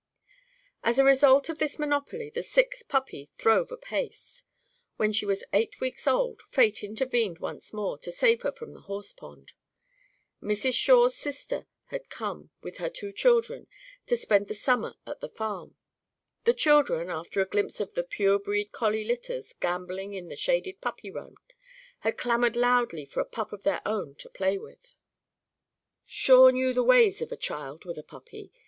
As a result of this monopoly the sixth puppy throve apace. When she was eight weeks old, fate intervened once more to save her from the horse pond. Mrs. Shawe's sister had come, with her two children, to spend the summer at the farm. The children, after a glimpse of the pure breed collie litters gambolling in the shaded puppy run, had clamoured loudly for a pup of their own to play with. Shawe knew the ways of a child with a puppy.